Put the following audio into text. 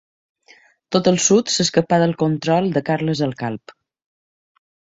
Tot el sud s'escapà del control de Carles el Calb.